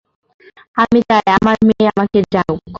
আমি চাই আমার মেয়ে আমাকে জানুক।